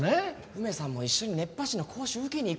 梅さんも一緒に熱波師の講習受けに行こうよ。